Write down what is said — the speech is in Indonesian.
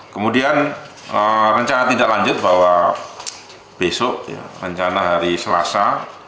kemudian rencana tidak lanjut bahwa besok rencana hari selasa